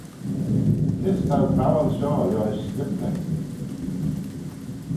Kys t'ou prowal shoh liorish Scriptyr?